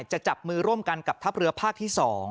จะจับมือร่วมกันกับทัพเรือภาคที่๒